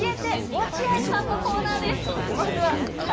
落合さんのコーナーです。